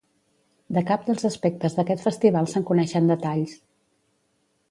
De cap dels aspectes d'aquest festival se'n coneixen detalls.